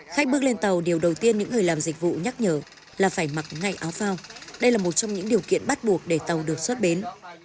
khách bước lên tàu điều đầu tiên những người làm dịch vụ nhắc nhở là phải mặc ngay áo phao đây là một trong những điều kiện bắt buộc để tàu được xuất bến